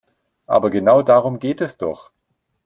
Aber genau darum geht es doch.